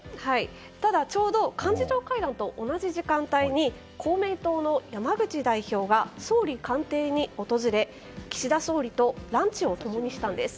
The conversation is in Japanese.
ただ、ちょうど幹事長会談と同じ時間帯に公明党の山口代表が総理官邸に訪れ岸田総理とランチを共にしたんです。